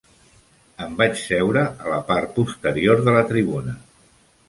Em vaig seure a la part posterior de la tribuna.